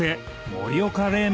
盛岡冷麺